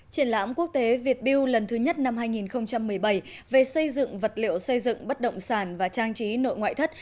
triển lãm quốc tế việt build lần thứ nhất năm hai nghìn một mươi bảy về xây dựng vật liệu xây dựng bất động sản và trang trí nội ngoại thất